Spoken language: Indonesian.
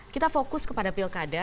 kita fokus kepada pilkada